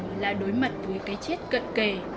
chúng ta đối mặt với cái chết cận kề